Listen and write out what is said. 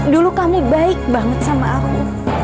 dulu kami baik banget sama aku